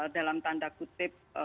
dalam tanda kutip